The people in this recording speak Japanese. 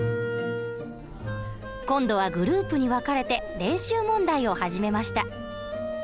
今度はグループに分かれて練習問題を始めました。